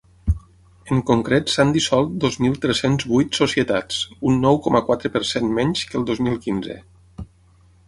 En concret s’han dissolt dos mil tres-cents vuit societats, un nou coma quatre per cent menys que el dos mil quinze.